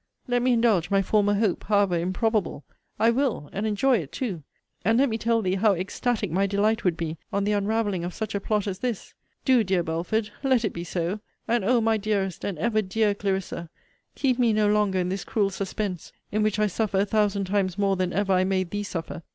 Let me indulge my former hope, however improbable I will; and enjoy it too. And let me tell thee how ecstatic my delight would be on the unravelling of such a plot as this! Do, dear Belford, let it be so! And, O, my dearest, and ever dear Clarissa, keep me no loner in this cruel suspense; in which I suffer a thousand times more than ever I made thee suffer.